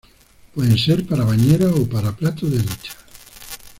Pueden ser para bañera o para plato de ducha.